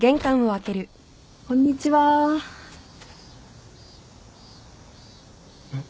こんにちは。えっ？